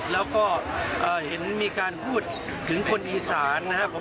แล้วก็เห็นมีการพูดถึงคนอีสานนะครับผม